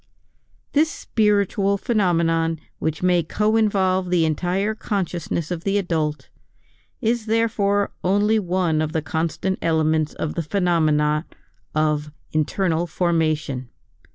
This spiritual phenomenon which may co involve the entire consciousness of the adult, is therefore only one of the constant elements of the phenomena of "internal formation."